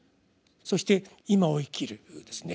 そして今を生きる。